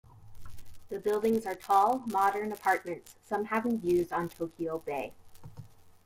The buildings are tall, modern apartments, some having views on Tokyo Bay.